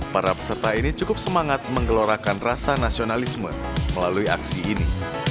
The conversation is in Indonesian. para peserta ini cukup semangat menggelorakan rasa nasionalisme melalui aksi ini